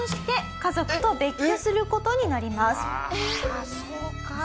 ああそうか。